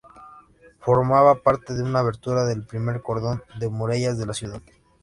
Formaba parte de una abertura del primer cordón de murallas de la ciudad.